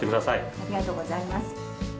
ありがとうございます。